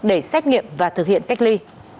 để xét nghiệm và thực hiện cách ly